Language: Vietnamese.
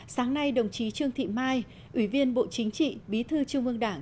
sáng nay đồng chí trương thị mai ủy viên bộ chính trị bí thư trung ương đảng